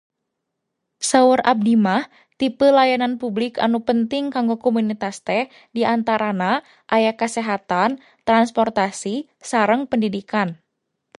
saur abdi mah tipe layanan publik anu penting kanggo komunitas teh diantarana aya kasehatan, transportasi, sareng pendidikan